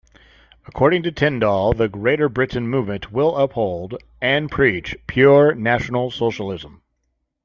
According to Tyndall, "the Greater Britain Movement will uphold, and preach, pure National Socialism".